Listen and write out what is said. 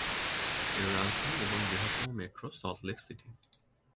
এর রাজধানী এবং বৃহত্তম মেট্রো সল্ট লেক সিটি।